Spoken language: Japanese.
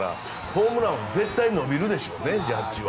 ホームランは絶対伸びるでしょうね。